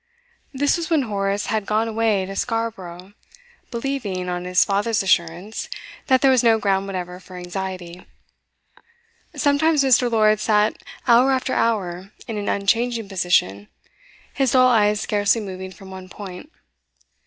This was when Horace had gone away to Scarborough, believing, on his father's assurance, that there was no ground whatever for anxiety. Sometimes Mr. Lord sat hour after hour in an unchanging position, his dull eyes scarcely moving from one point.